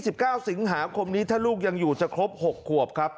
สิบเก้าสิงหาคมนี้ถ้าลูกยังอยู่จะครบหกขวบครับ